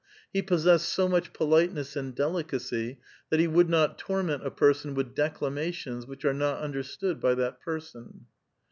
He possessed so much politeness and delicacy that he would not torment a person witii declamations which are not understood by that person.